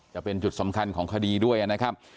จะเป็นจุดสำคัญของคดีด้วยนะครับ